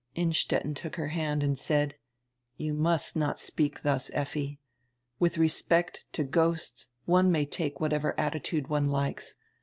Innstetten took her hand and said: "You must not speak dius, Effi. Widi respect to ghosts one may take whatever attitude one likes.